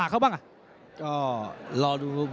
อินทราชัยช๕พระยักษ์ครับ